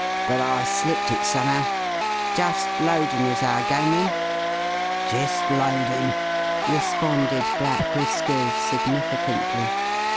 But I slipped it somehow. Just loadin' is our game, then?" "Jist loadin'," responded Black Whiskers significantly.